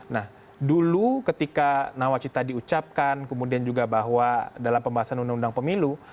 nah dulu ketika nawacita diucapkan kemudian juga bahwa dalam pembahasan undang undang pemilu